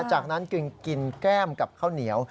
จากนั้นจึงกินแก้มกับข้าวเหนียว